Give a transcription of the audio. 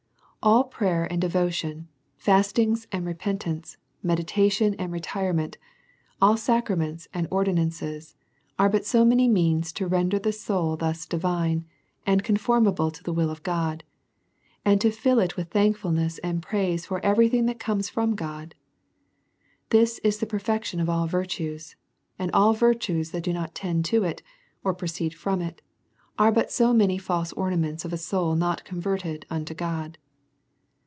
AH prayer and devotion, fasting and repentance, meditation and retirement, all sacraments and ordi nances, are but so many means to render the soul thus divine and conformable to the will of God, and to fill it with thankfulness and praise for every thing that comes from God. This is the perfection of all virtues ; and all virtues that do not tend to it, or proceed from it, are but so many false ornaments of a soul not con verted unto God.